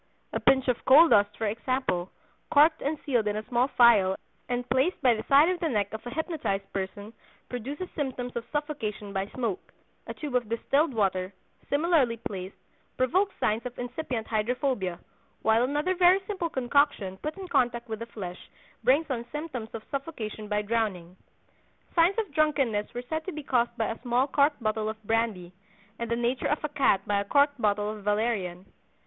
A pinch of coal dust, for example, corked and sealed in a small phial and placed by the side of the neck of a hypnotized person, produces symptoms of suffocation by smoke; a tube of distilled water, similarly placed, provokes signs of incipient hydrophobia; while another very simple concoction put in contact with the flesh brings on symptoms of suffocation by drowning." Signs of drunkenness were said to be caused by a small corked bottle of brandy, and the nature of a cat by a corked bottle of valerian.